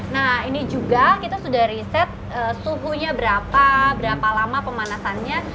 nah ini juga kita sudah riset suhunya berapa berapa lama pemanasannya